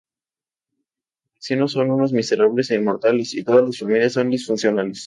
Los vecinos son unos miserables e inmorales y todas las familias son disfuncionales.